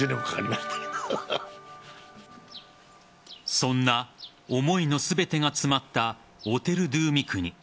そんな思いの全てが詰まったオテル・ドゥ・ミクニ。